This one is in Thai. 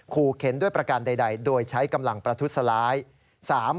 เข็นด้วยประการใดโดยใช้กำลังประทุษร้าย